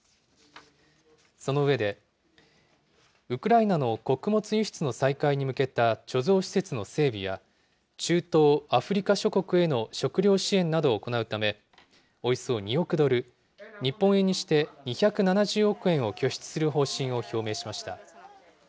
その上で、ウクライナの穀物輸出の再開に向けた貯蔵施設の整備や、中東・アフリカ諸国への食料支援などを行うため、およそ２億ドル、日本円にして２７０億円を拠出する方針を表明しました。